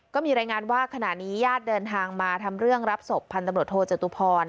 ก็มีรายงานว่าขณะนี้ญาติเดินทางมาทำเรื่องรับศพพันตำรวจโทจตุพร